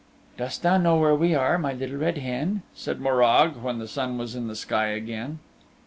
"Dost thou know where we are, my Little Red Hen?" said Morag when the sun was in the sky again.